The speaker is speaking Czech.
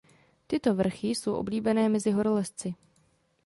Tyto vrchy jsou oblíbené mezi horolezci.